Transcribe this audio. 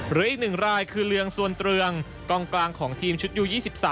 หรืออีก๑รายคือเรืองสวนเตืองกองกลางของทีมชุดยู๒๓